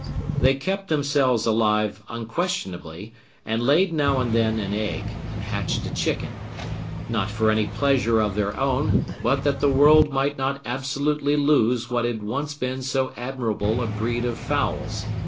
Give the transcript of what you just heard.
They kept themselves alive, unquestionably, and laid now and then an egg, and hatched a chicken; not for any pleasure of their own, but that the world might not absolutely lose what had once been so admirable a breed of fowls.